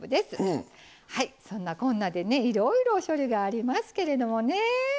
はいそんなこんなでねいろいろ処理がありますけれどもね。